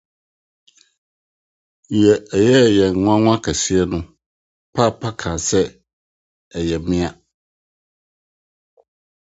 Nea ɛyɛɛ yɛn nwonwa kɛse no, Paapa kae sɛ: ‘ Ɛyɛ mea. ’